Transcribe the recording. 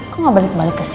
kok gak balik balik ke sini